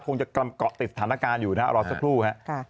คงจะกระเกาะติดสถานการณ์อยู่รอสักครู่ครับ